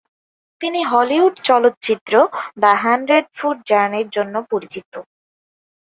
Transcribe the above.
তিনি হলিউড চলচ্চিত্র "the hundred foot জার্নি"র জন্য পরিচিত।